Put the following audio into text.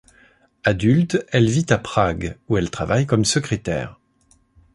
Adulte, elle vit à Prague, où elle travaille comme secrétaire.